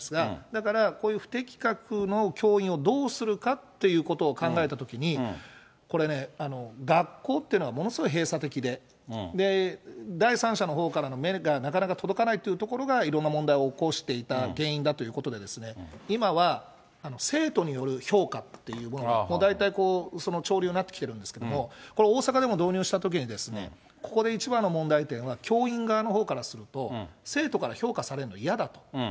だからこういう不適格の教員をどうするかっていうことを考えたときに、これね、学校っていうのはものすごい閉鎖的で、第三者のほうからの目がなかなか届かないというところがいろんな問題を起こしていた原因だということで、今は生徒による評価っていうものが、大体潮流になってきてるんですけど、これ、大阪でも導入したときに、ここで一番の問題点は、教員側のほうからすると、生徒から評価されるの嫌だと。